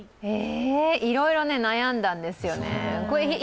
いろいろね、悩んだんですよね。